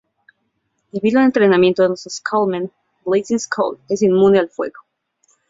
Debido al entrenamiento de los Skull Men, Blazing Skull es inmune al fuego.